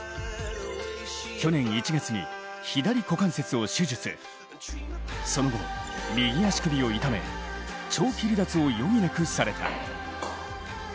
去年１月に左股関節を手術、その後、右足首を痛め長期離脱を余儀なくされた。